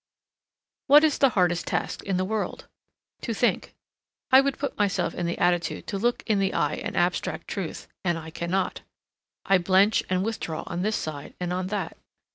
What is the hardest task in the world? To think. I would put myself in the attitude to look in the eye an abstract truth, and I cannot. I blench and withdraw on this side and on that.